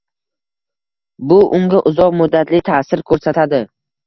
- bu unga uzoq muddatli ta'sir ko'rsatadi